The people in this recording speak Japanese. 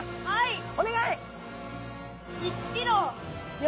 はい！